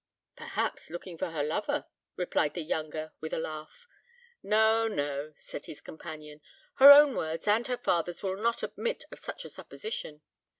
"Perhaps looking for her lover," replied the younger, with a laugh. "No, no," said his companion; "her own words and her father's will not admit of such a supposition.